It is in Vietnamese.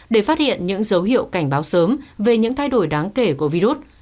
để phát hiện những dấu hiệu cảnh báo sớm về những thay đổi đáng kể của virus